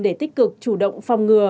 để tích cực chủ động phòng ngư